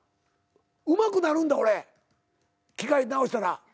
うまくなるんだ俺機械でなおしたら。